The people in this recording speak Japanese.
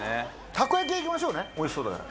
たこ焼はいきましょうねおいしそうだから。